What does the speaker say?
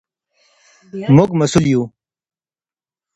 موږ مسؤل یو.